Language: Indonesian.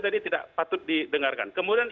tadi tidak patut didengarkan kemudian